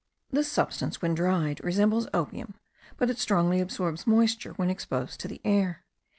This substance, when dried, resembles opium; but it strongly absorbs moisture when exposed to the air.